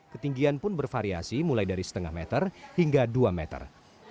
ketinggian pun bervariasi mulai dari setengah meter hingga dua meter